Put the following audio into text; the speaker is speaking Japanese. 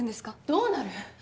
「どうなる」！？